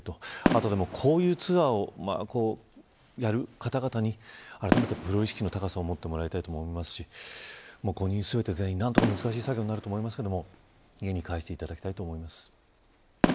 あと、こういうツアーをやる方々にあらためてプロ意識の高さを持ってもらいたいと思いますし難しい作業になると思いますが何とか５人全員家に帰していただきたいと思います。